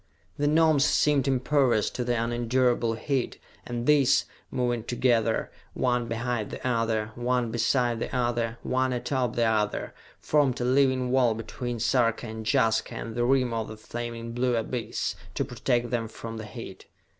The Gnomes seemed impervious to the unendurable heat, and these, moving together, one behind the other, one beside the other, one atop the other, formed a living wall between Sarka and Jaska and the rim of the flaming blue abyss, to protect them from the heat.